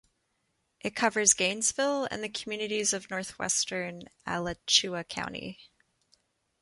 It covers Gainesville and the communities of northwestern Alachua County.